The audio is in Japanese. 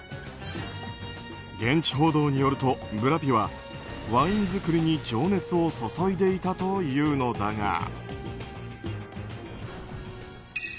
現地報道によると、ブラピはワイン作りに情熱を注いでいたというのだが。